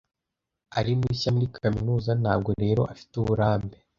Ari mushya muri kaminuza, ntabwo rero afite uburambe.